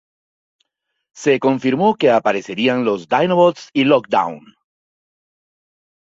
Se confirmó que aparecerían los Dinobots y Lockdown.